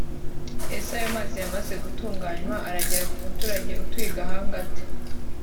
Ese ayo mazi yamaze gutunganywa aragera ku muturage utuye I Gahanda gute